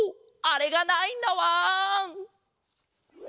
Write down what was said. あれがないんだわん！